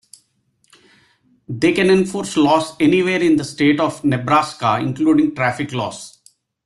They can enforce laws anywhere in the state of Nebraska, including traffic laws.